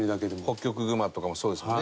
ホッキョクグマとかもそうですもんね。